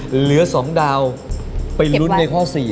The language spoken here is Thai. เหลือ๒ดาวเป็นหลุดในข้อ๔อย่างงี้เนอะ